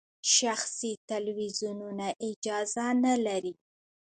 شخصي تلویزیونونه اجازه نلري.